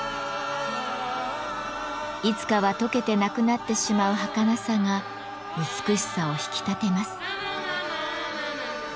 いつかはとけてなくなってしまうはかなさが美しさを引き立てます。